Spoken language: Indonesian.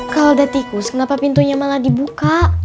kalau ada tikus kenapa pintunya malah dibuka